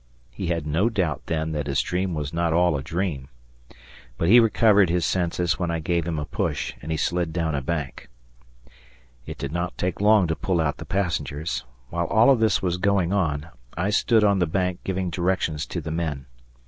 He had no doubt then that his dream was not all a dream. But he recovered his senses when I gave him a push, and he slid down a bank. It did not take long to pull out the passengers. While all of this was going on, I stood on the bank giving directions to the men.